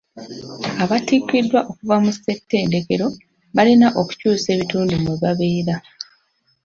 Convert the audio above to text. Abattikiddwa okuva mu ssetendekero balina okukyusa ebitundu mwe babeera.